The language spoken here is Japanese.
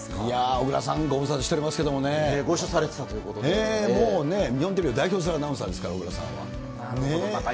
小倉さん、ご無沙汰してますご一緒されていたということもうね、日本テレビを代表するアナウンサーですから、小倉さんは。